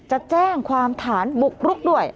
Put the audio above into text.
จะแจ้งความฐานบุกรุกด้วย